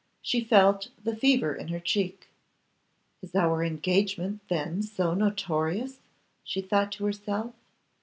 She felt the fever in her cheek. 'Is our engagement, then, so notorious?' she thought to herself.